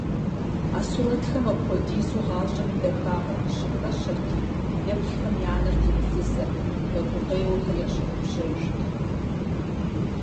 А сурэтхэм апхуэдизу гъащӀэм и дахагъэр къыщыхэщырти, еплъхэм я нэр теплъызэрт, я гукъеуэхэр ящыгъупщэжырт.